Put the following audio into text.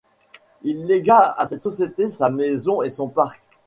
Il lègua à cette société sa maison et son parc.